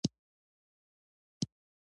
هوا د افغانستان د صادراتو برخه ده.